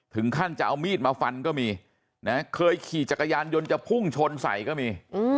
ถึงขั้นจะเอามีดมาฟันก็มีนะเคยขี่จักรยานยนต์ก็มี